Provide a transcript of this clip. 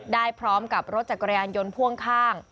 ได้พร้อมกับรถจักรยานยนต์พ่วงข้าง